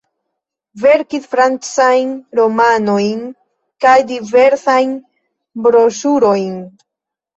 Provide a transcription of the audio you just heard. Verkis francajn romanojn kaj diversajn broŝurojn.